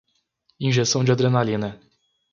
Injeção de adrenalina